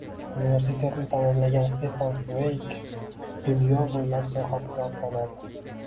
Universitetni tamomlagan Stefan Sveyg dunyo bo`ylab sayohatga otlanadi